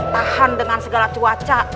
tahan dengan segala cuaca